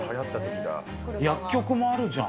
薬局もあるじゃん。